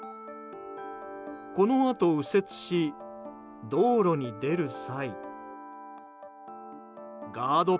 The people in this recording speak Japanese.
このあと右折し、道路に出る際ガード